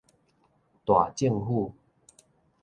大政府